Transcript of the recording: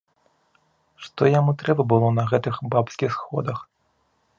Што яму трэба было на гэтых бабскіх сходах?